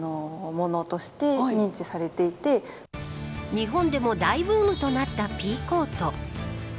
日本でも大ブームとなったピーコート。